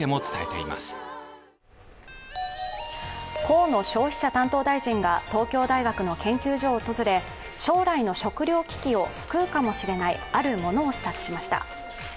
河野消費者担当大臣が東京大学の研究所を訪れ将来の食糧危機を救うかもしれないあるものを視察しました。